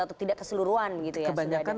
atau tidak keseluruhan gitu ya kebanyakan